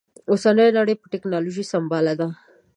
اوسنۍ نړۍ په ټکنالوژي سمبال ده